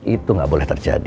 itu gak boleh terjadi